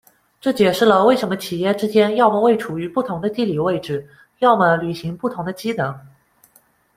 这解释了为什么企业之间要么位处于不同的地理位置，要么履行不同的机能。